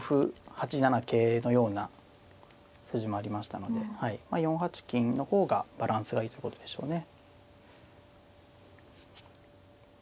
８七桂のような筋もありましたので４八金の方がバランスがいいということでしょうね。